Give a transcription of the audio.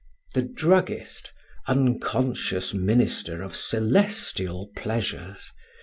The druggist—unconscious minister of celestial pleasures!